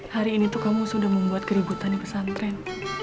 hari ini tuh kamu sudah membuat keributan di pesantren